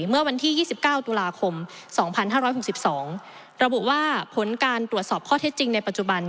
เมื่อวันที่๒๙ตุลาคม๒๕๖๒ระบุว่าผลการตรวจสอบข้อเท็จจริงในปัจจุบัน